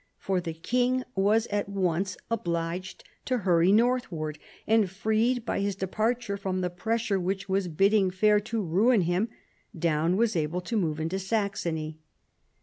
For the king was at once obliged to hurry northward ; and, freed by his departure from the pressure which was bidding fair to ruin him, Daun was able to move into Saxony.